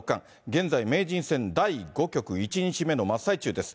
現在、名人戦第５局１日目の真っ最中です。